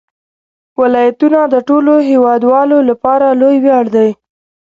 ولایتونه د ټولو هیوادوالو لپاره لوی ویاړ دی.